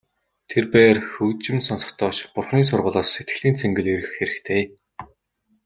Тэрбээр хөгжим сонсохдоо ч Бурханы сургаалаас сэтгэлийн цэнгэл эрэх хэрэгтэй.